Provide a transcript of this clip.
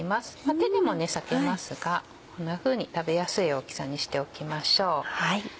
手でも裂けますがこんなふうに食べやすい大きさにしておきましょう。